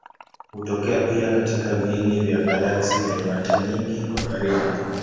Hutokea pia katika viini vya galaksi penye mata nyingi kwa karibu.